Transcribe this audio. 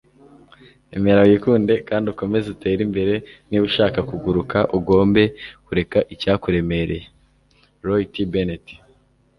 emera, wikunde, kandi ukomeze utere imbere niba ushaka kuguruka, ugomba kureka icyakuremereye - roy t bennett